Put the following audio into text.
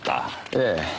ええ。